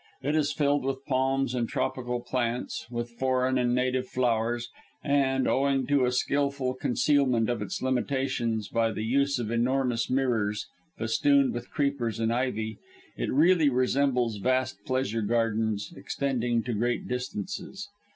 It is filled with palms and tropical plants, with foreign and native flowers, and, owing to a skilful concealment of its limitations by the use of enormous mirrors, festooned with creepers and ivy, it really resembles vast pleasure gardens extending to great distances.